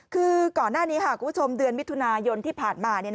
คือก่อนหน้านี้คุณผู้ชมเดือนมิถุนายนที่ผ่านมา